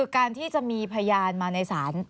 การที่จะมีพยานมาในศาล